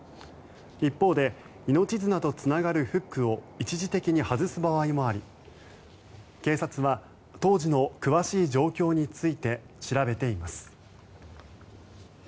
一方で、命綱とつながるフックを一時的に外す場合もあり警察は当時の詳しい状況について調べています。